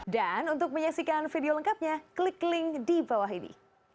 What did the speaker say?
dan untuk menyaksikan video lengkapnya klik link di bawah ini